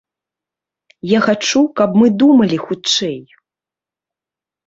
Я хачу, каб мы думалі хутчэй.